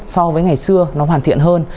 so với ngày xưa nó hoàn thiện hơn